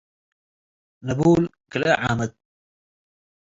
ነቡል፤ ክልኤ ዓመት ።